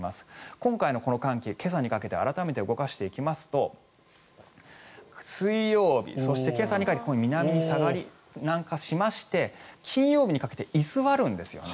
今回の寒気、今朝にかけて改めて動かしていきますと水曜日、そして今朝にかけて南下しまして金曜日にかけて居座るんですよね。